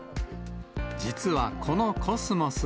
実はこのコスモス。